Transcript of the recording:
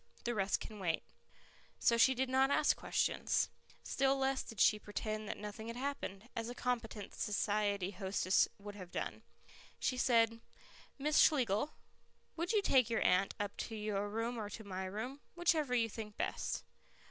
The rest can wait." So she did not ask questions. Still less did she pretend that nothing had happened, as a competent society hostess would have done. She said, "Miss Schlegel, would you take your aunt up to your room or to my room, whichever you think best.